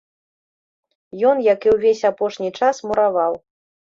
Ён, як і ўвесь апошні час, мураваў.